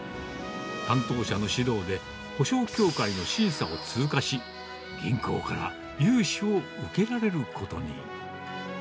担当者の指導で、保証協会の審査を通過し、銀行から融資を受けられることに。